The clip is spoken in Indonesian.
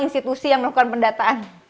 institusi yang melakukan pendataan